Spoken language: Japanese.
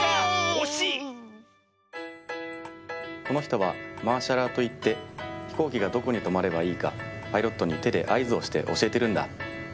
このひとは「マーシャラー」といってひこうきがどこにとまればいいかパイロットにてであいずをしておしえてるんだ。